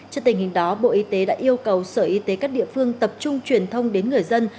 trước tình hình đó bộ y tế đã yêu cầu sở y tế các địa phương tập trung truyền thông đến người dân